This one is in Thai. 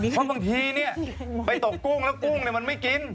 เพราะบางทีเนี่ยไปตกกุ้งแล้วกุ้งมันไม่กิน